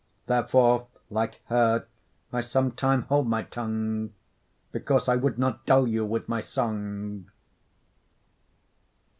Therefore like her, I sometime hold my tongue: Because I would not dull you with my song.